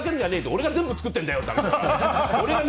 俺が全部作ってるんだよ。